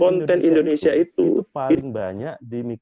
konten indonesia itu paling banyak diminati oleh